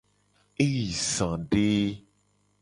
E yi za de.